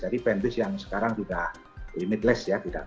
jadi bandwidth yang sekarang juga limitless ya